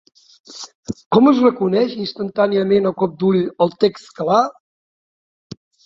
Com es reconeix instantàniament a cop d'ull el text clar?